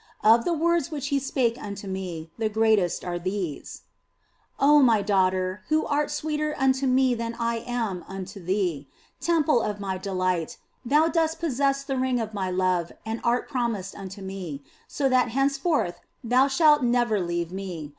Of the words which He spake unto me, the greatest are these :" Oh my daughter, who art sweeter unto Me than I am unto thee, temple of My delight, thou dost possess the ring of My love and art promised unto Me, so that henceforth thou shalt never leave Me.